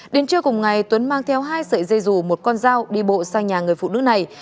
đến trưa cùng ngày tuấn mang theo hai sợi dây dù một con dao đi bộ sang nhà người phụ nữ này